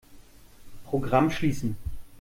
Programm schließen.